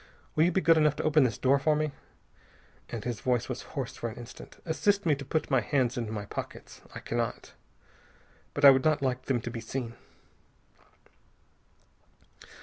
Will you be good enough to open this door for me? And" his voice was hoarse for an instant "assist me to put my hands in my pockets. I cannot. But I would not like them to be seen."